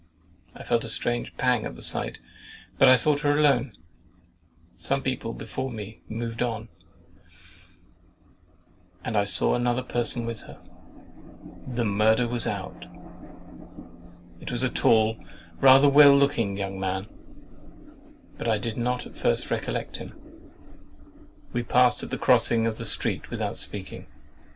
I felt a strange pang at the sight, but I thought her alone. Some people before me moved on, and I saw another person with her. THE MURDER WAS OUT. It was a tall, rather well looking young man, but I did not at first recollect him. We passed at the crossing of the street without speaking.